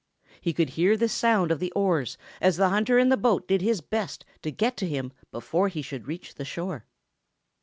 He could hear the sound of the oars as the hunter in the boat did his best to get to him before he should reach the shore.